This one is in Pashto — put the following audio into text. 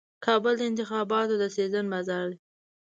کابل د انتخاباتو د سیزن بازار دی.